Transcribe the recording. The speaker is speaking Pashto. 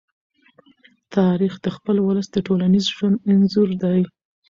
تاریخ د خپل ولس د ټولنیز ژوند انځور دی.